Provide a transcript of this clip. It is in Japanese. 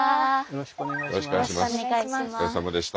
よろしくお願いします。